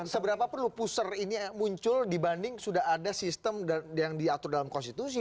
seberapa perlu puser ini muncul dibanding sudah ada sistem yang diatur dalam konstitusi